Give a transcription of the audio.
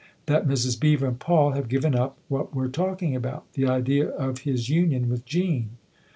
" That Mrs. Beever and Paul have given up what we're talking about the idea of his union with Jean."